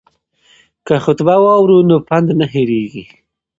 که خطبه واورو نو پند نه هیریږي.